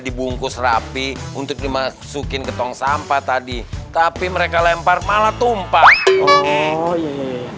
dibungkus rapi untuk dimasukin ke tong sampah tadi tapi mereka lempar malah tumpah oh ya ya